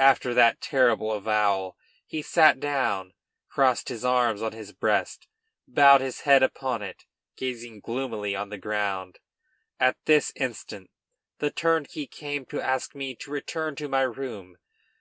After that terrible avowal he sat down, crossed his arms on his breast, bowed his head upon it, gazing gloomily on the ground. At this instant the turnkey came to ask me to return to my room.